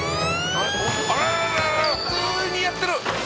「ああ普通にやってる！」